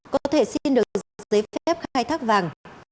có thể xin được giấy phép khai thác vàng